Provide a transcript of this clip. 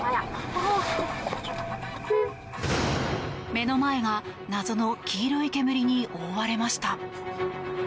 目の前が謎の黄色い煙に覆われました。